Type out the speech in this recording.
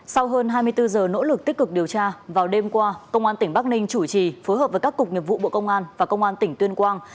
sau hơn hai mươi bốn giờ nỗ lực tích cực điều tra vào đêm qua công an tỉnh bắc ninh chủ trì phối hợp với các cục nghiệp vụ bộ công an và công an tỉnh tuyên quang